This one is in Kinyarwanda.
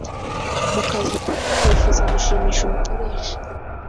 mu kazi ukora wifuza gushimisha umukoresha